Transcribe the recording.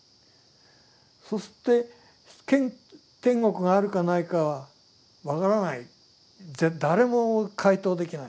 そして天国があるかないか分からない誰も回答できない。